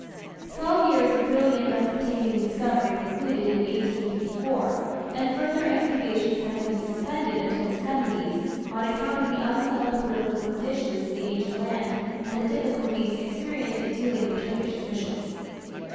Twelve years of brilliant Mesopotamian discovery concluded in 1854, and further excavations had to be suspended until the "seventies" on account of the unsettled political conditions of the ancient land and the difficulties experienced in dealing with Turkish officials.